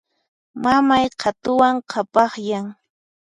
Mamay qhatuwan qhapaqyan.